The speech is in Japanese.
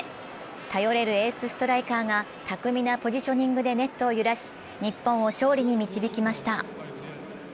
頼れるエースストライカーが巧みなポジショニングでネットを揺らし日本を勝利に導きました。